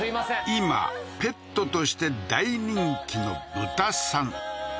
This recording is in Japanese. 今ペットとして大人気のブタさん